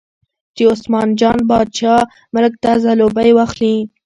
چې عثمان جان باچا ملک ته ځلوبۍ واخلي.